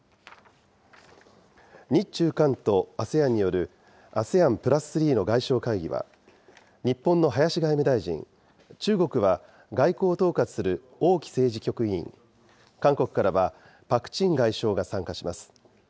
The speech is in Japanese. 日中韓とＡＳＥＡＮによるＡＳＥＡＮ＋３の外相会議は、日本の林外務大臣、中国は外交を統括する王毅政治局委員、韓国からはパク・チン外相が参加します。